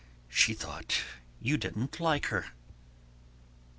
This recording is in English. She thought you didn't like her."